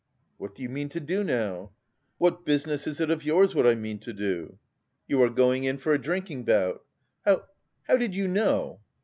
"What do you mean to do now?" "What business is it of yours what I mean to do?" "You are going in for a drinking bout." "How... how did you know?"